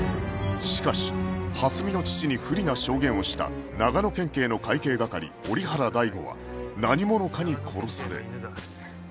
しかし蓮見の父に不利な証言をした長野県警の会計係折原大吾は何者かに殺され